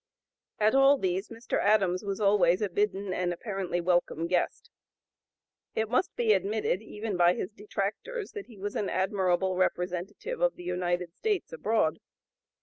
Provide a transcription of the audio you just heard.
At all these Mr. Adams was always a bidden and apparently a welcome guest. It must be admitted, even by his detractors, that he was an admirable representative of the United States abroad.